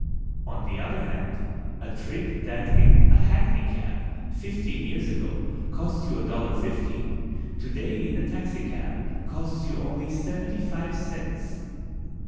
On the other hand, a trip that in a hackney cab, fifteen years ago, cost you a dollar fifty, today in a taxicab costs you only seventy five cents.